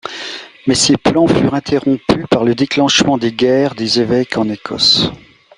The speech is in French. Mais ses plans furent interrompus par le déclenchement des guerres des évêques en Écosse.